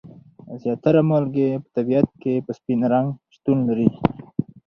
زیاتره مالګې په طبیعت کې په سپین رنګ شتون لري.